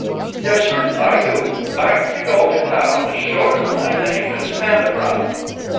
"Yes, sir, I do. Back you go to town as sure as my name is Hannah Brown."